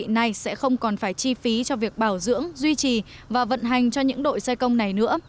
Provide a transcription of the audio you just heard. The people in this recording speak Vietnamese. này sẽ không còn phải chi phí cho việc bảo dưỡng duy trì và vận hành cho những đội xe công này nữa